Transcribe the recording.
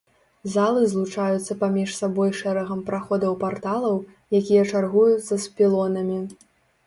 Залы злучаюцца паміж сабой шэрагам праходаў-парталаў, якія чаргуюцца з пілонамі.